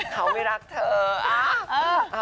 เพราะว่าแต่ละคนคิวยังไม่เทเนอะ